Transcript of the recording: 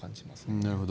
なるほど。